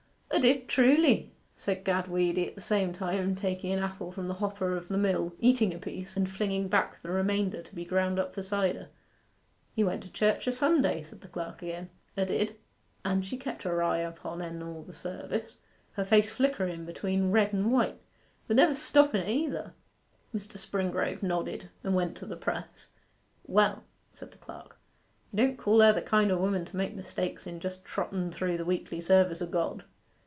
''A did, truly,' said Gad Weedy, at the same time taking an apple from the hopper of the mill, eating a piece, and flinging back the remainder to be ground up for cider. 'He went to church a Sunday,' said the clerk again. ''A did.' 'And she kept her eye upon en all the service, her face flickeren between red and white, but never stoppen at either.' Mr. Springrove nodded, and went to the press. 'Well,' said the clerk, 'you don't call her the kind o' woman to make mistakes in just trotten through the weekly service o' God?